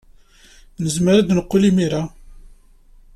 Nezmer ad neqqel imir-a?